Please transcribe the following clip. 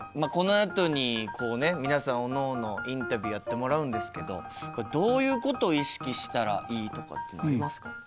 このあとにこうね皆さんおのおのインタビューやってもらうんですけどこれどういうことを意識したらいいとかっていうのはありますか？